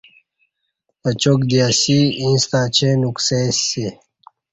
اچاک دی اسی ایݩستہ اچیں نوکسئی سی